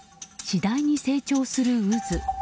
次第に成長する渦。